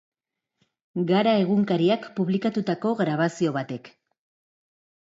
Gara egunkariak publikatutako grabazio batek.